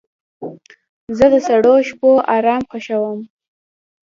زه د سړو شپو آرام خوښوم.